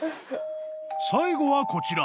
［最後はこちら］